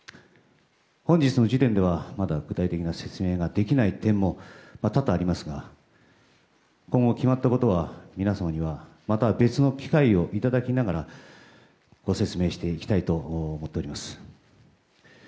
本日の時点ではまだ具体的な説明ができない点も多々ありますが今後決まったことは皆様にはまた別の機会をいただきながらご説明していきたいと思っております。